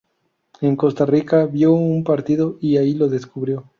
En Costa Rica vio un partido y ahí lo descubrió.